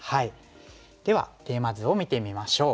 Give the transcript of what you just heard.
ではテーマ図を見てみましょう。